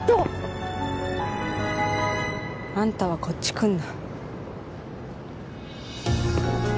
あんたはこっち来んな